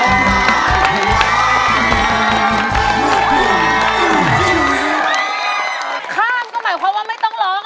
ข้ามก็หมายความว่าไม่ต้องร้อง